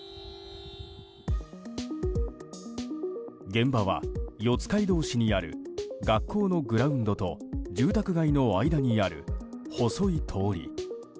現場は四街道市にある学校のグラウンドと住宅街の間にある細い通り。